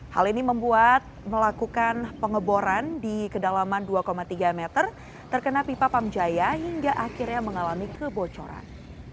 hal ini membuat melakukan pengeboran di kedalaman dua tiga meter terkena pipa pamjaya hingga akhirnya mengalami kebocoran